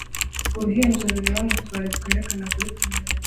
Uruhinja rureba mu tubari twerekana kuri kamera